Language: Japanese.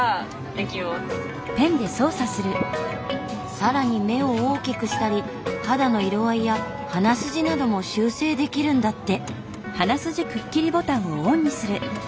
更に目を大きくしたり肌の色合いや鼻筋なども修整できるんだって。